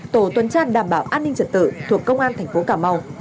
tổ tuần tra đảm bảo an ninh trật tự thuộc công an tp cà mau